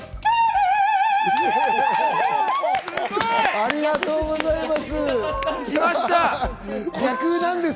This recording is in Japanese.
ありがとうございます！